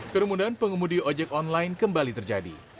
kerumunan pengemudi ojek online kembali terjadi